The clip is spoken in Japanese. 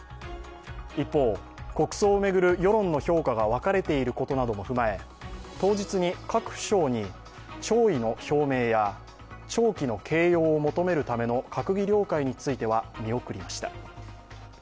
一方、国葬を巡る世論の評価が分かれていることなども踏まえ当日に各府省に弔意の表明や弔旗の掲揚を求めるための閣議了解については見送りました。